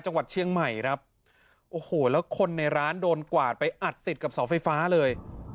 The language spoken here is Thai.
จังหวัดเชียงใหม่ครับโอ้โหแล้วคนในร้านโดนกวาดไปอัดติดกับเสาไฟฟ้าเลย